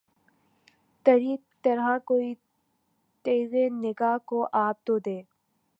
تری طرح کوئی تیغِ نگہ کو آب تو دے